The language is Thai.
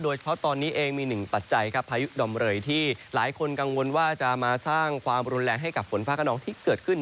โดยเฉพาะตอนนี้เองมีหนึ่งปัจจัยครับพายุดอมเรยที่หลายคนกังวลว่าจะมาสร้างความรุนแรงให้กับฝนฟ้าขนองที่เกิดขึ้น